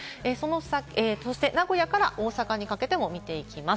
そして名古屋から大阪にかけても見ていきます。